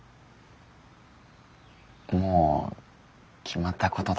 もう決まったことだから。